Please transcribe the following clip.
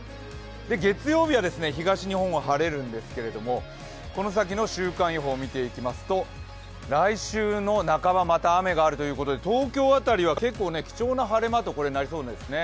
月曜日は東日本は晴れるんですけれども、この先の週間予報、見ていきますと来週の半ば、また雨があるということで東京あたりは結構貴重な晴れ間となりそうなんですね。